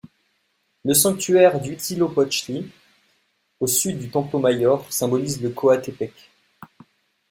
Le sanctuaire d'Huitzilopochtli au sud du Templo Mayor symbolise le Coatepec.